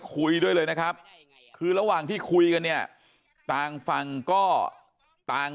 คุยด้วยเลยนะครับคือระหว่างที่คุยกันเนี่ยต่างฝั่งก็ต่าง